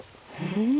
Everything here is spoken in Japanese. うん。